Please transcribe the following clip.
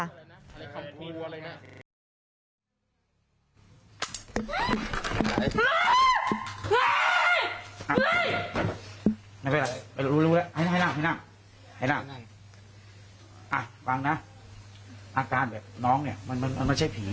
อ่ะฟังนะอาการแบบน้องเนี่ยมันไม่ใช่ผี